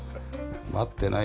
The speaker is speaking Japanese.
待ってない？